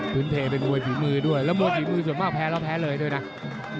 ผินเพลเป็นมวยฝีมือด้วยแล้วมวยฝีมือแพ้เลยครับ